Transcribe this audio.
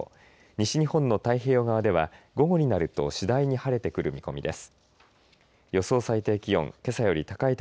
西日本の太平洋側では午後になると次第に晴れてくる見込みです。